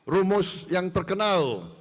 rumus yang terkenal